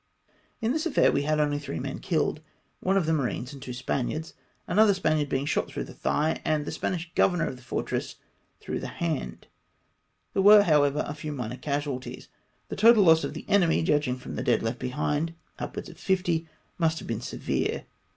In this affair we had only three men killed — one of the marines and two Spaniards, another Spaniard being shot through the thigh and the Spanish governor of the fortress through the hand ; there were, however, a few minor casualties. The total loss of the enemy, judging from the dead left behind — upwards of hfty — must have been severe.